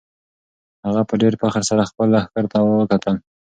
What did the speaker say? هغه په ډېر فخر سره خپل لښکر ته وکتل.